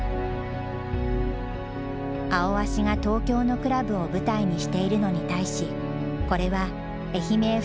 「アオアシ」が東京のクラブを舞台にしているのに対しこれは愛媛ＦＣ